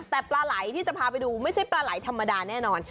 แต่ปลาไหลที่จะพาไปดูไม่ใช่ปลาไหลธรรมดาแน่นอน